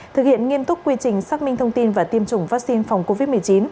thực hiện nghiêm túc quy trình xác minh thông tin và tiêm chủng vaccine phòng covid một mươi chín